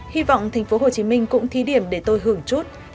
hy vọng tp hcm cũng thí điểm để tôi hưởng chút